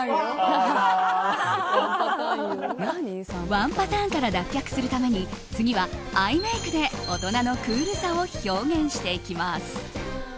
ワンパターンから脱却するために次は、アイメイクで大人のクールさを表現していきます。